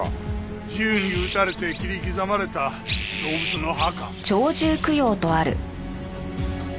銃に撃たれて切り刻まれた動物の墓。